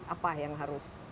apa yang harus